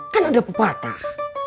kan ada pepatah